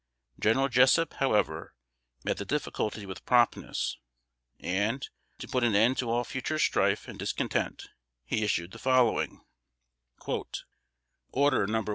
General Jessup however met the difficulty with promptness, and, to put an end to all future strife and discontent, he issued the following: "ORDER No.